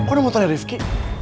kok udah mau taruh rizky